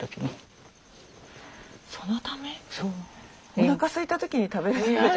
おなかすいた時に食べるとかじゃ。